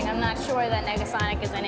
saya tidak yakin negasonic ada di film ini